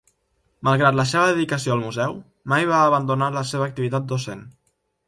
Malgrat la seva dedicació al museu, mai va abandonar la seva activitat docent.